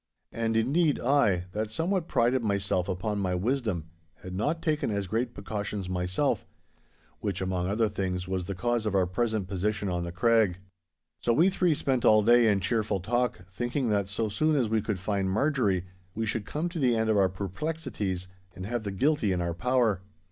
And indeed I, that somewhat prided myself upon my wisdom, had not taken as great precautions myself—which, among other things, was the cause of our present position on the Craig. So we three spent all the day in cheerful talk, thinking that so soon as we could find Marjorie, we should come to the end of our perplexities, and have the guilty in our power.